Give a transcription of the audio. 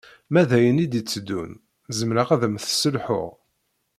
Ma d ayen i d-iteddun zemreɣ ad am-tesselhuɣ